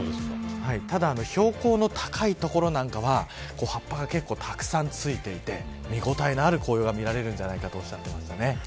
ただ、標高の高い所なんかは葉っぱが結構たくさんついていて見応えのある紅葉が見られるんじゃないかとおっしゃっています。